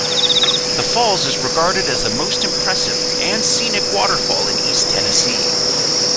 The falls is regarded as the most impressive and scenic waterfall in East Tennessee.